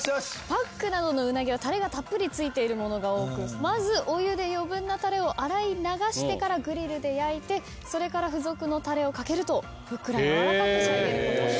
パックなどのウナギはタレがたっぷり付いているものが多くまずお湯で余分なタレを洗い流してからグリルで焼いてそれから付属のタレを掛けるとふっくらやわらかく。